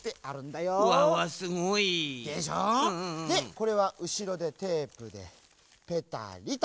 これはうしろでテープでペタリと。